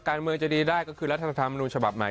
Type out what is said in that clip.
การเมืองจะดีได้ก็คือรัฐธรรมนูญฉบับใหม่